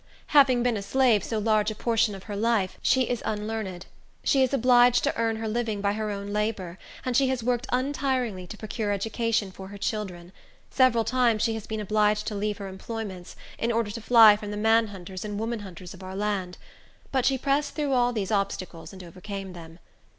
Having been a slave so large a portion of her life, she is unlearned; she is obliged to earn her living by her own labor, and she has worked untiringly to procure education for her children; several times she has been obliged to leave her employments, in order to fly from the man hunters and woman hunters of our land; but she pressed through all these obstacles and overcame them.